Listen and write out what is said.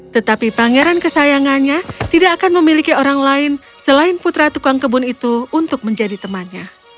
tetapi pangeran kesayangannya tidak akan memiliki orang lain selain putra tukang kebun itu untuk menjadi temannya